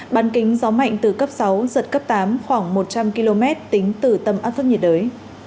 bán kính gió mạnh từ cấp sáu giật cấp tám khoảng một trăm linh km tính từ tâm áp thấp nhiệt đới